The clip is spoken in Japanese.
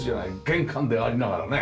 玄関でありながらね。